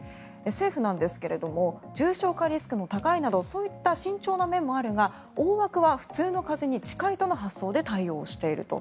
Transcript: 政府なんですが重症化リスクが高いなどそういった慎重な面もあるが大枠は普通の風邪に近いとの発想で対応していると。